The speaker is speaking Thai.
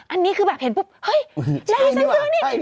อันนี้คือแบบเห็นปุ๊บเฮ้ยแล้วฉันซื้อแล้วนี่